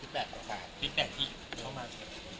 เป็นไงบ้าง